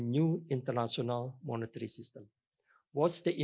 mengenai sistem moneter internasional baru